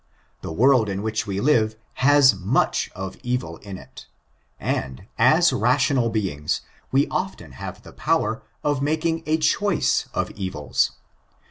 The world in which we live haa much of evil in it, and, as rational beings, we often have the power of making a choice of evils.